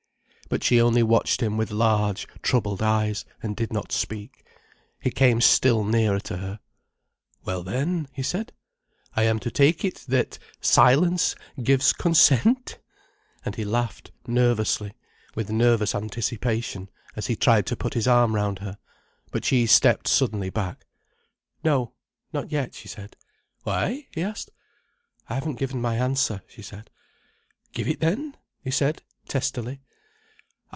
But she only watched him with large, troubled eyes, and did not speak. He came still nearer to her. "Well then," he said, "I am to take it that silence gives consent." And he laughed nervously, with nervous anticipation, as he tried to put his arm round her. But she stepped suddenly back. "No, not yet," she said. "Why?" he asked. "I haven't given my answer," she said. "Give it then," he said, testily.